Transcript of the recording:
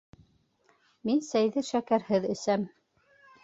Мин сәйҙе шәкәрһеҙ әсәм